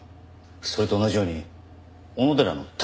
それと同じように小野寺の体内からも。